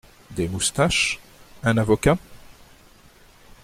Des moustaches ! un avocat ?